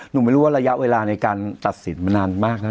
ไม่รู้ว่าระยะเวลาในการตัดสินมานานมากนะ